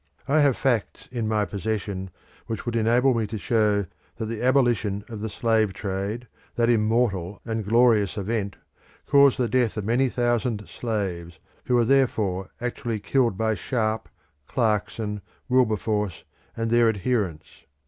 I have facts in my possession which would enable me to show that the abolition of the slave trade, that immortal and glorious event, caused the death of many thousand slaves, who were therefore actually killed by Sharp, Clarkson, Wilberforce, and their adherents.